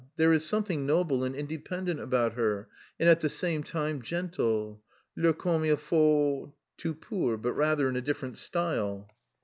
_ There is something noble and independent about her, and at the same time gentle. Le comme il faut tout pur, but rather in a different style."